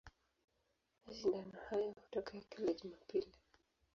Mashindano hayo hutokea kila Jumapili.